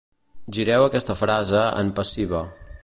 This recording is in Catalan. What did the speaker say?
Gireu aquesta frase en passiva.